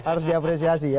harus diapresiasi ya